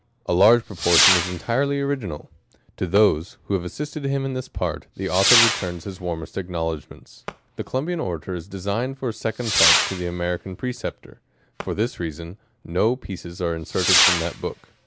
A large proportion is entirely original. To 'Hhose, who have assisted him in this part, the author re ^turns his zcarmest acknowledgments. The COLUMBIAN ORATOR is designed for a Second Part to the AMERICAN PRECEPTOR : fo^ this reason, no pieces are inserted from that book.